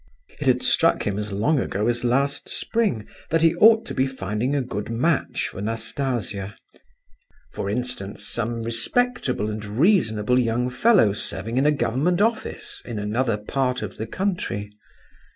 It had struck him as long ago as last spring that he ought to be finding a good match for Nastasia; for instance, some respectable and reasonable young fellow serving in a government office in another part of the country.